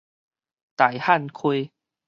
大漢溪